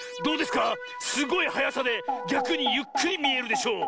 すごいはやさでぎゃくにゆっくりみえるでしょ？